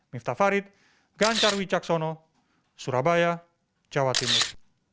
miftah farid gancar wijaksono surabaya jawa timur